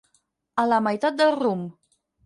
A la meitat del rumb.